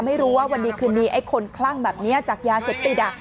ไม่รู้ว่าวันดีคืนนี้ไอ้คนคลั่งแบบนี้จากยาเสพติด